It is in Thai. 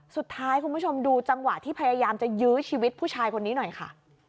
คุณผู้ชมดูจังหวะที่พยายามจะยื้อชีวิตผู้ชายคนนี้หน่อยค่ะ